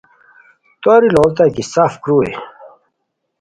توری لوڑیتائے کی سف کروئی